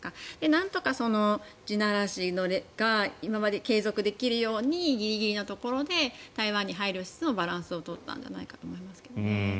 なんとか地ならしが今まで継続できるようにギリギリのところで台湾に配慮しつつもバランスを取ったんじゃないかと思いますけどね。